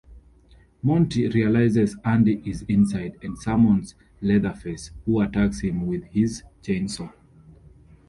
Monty realizes Andy is inside and summons Leatherface, who attacks him with his chainsaw.